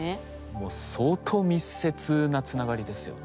もう相当密接なつながりですよね。